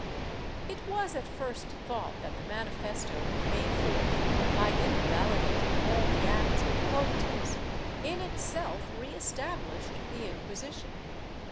^ It was at first thought that the manifesto of May 4th, by invali dating all the acts of the Cortes, in itself re established the Inquisi tion.